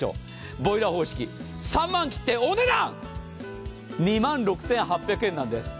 ボイラー方式、３万切って、お値段２万６８００円なんです。